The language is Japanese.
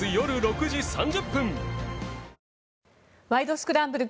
スクランブル」